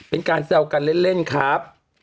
เป็นการแซวกันเล่นครับ